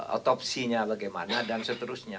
otopsinya bagaimana dan seterusnya